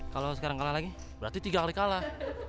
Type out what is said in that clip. kalau sekarang kalah lagi berarti tiga kali kalah